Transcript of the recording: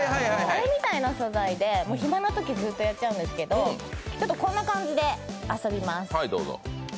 あれみたいな素材で、暇なときずっとやっちゃうんですけどこんな感じで遊びます。